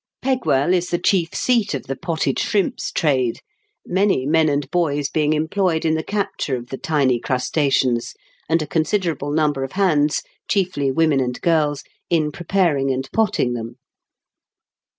Pegwell is the chief seat of the potted shrimps trade, many men and boys being employed in the capture of the tiny crustaceans, and a considerable number of hands, chiefly women and girls, in preparing and potting them.